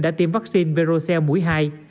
đã tiêm vaccine verocell mũi hai